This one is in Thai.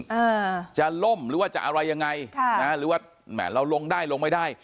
อ่าจะล่มหรือว่าจะอะไรยังไงค่ะนะหรือว่าแหม่เราลงได้ลงไม่ได้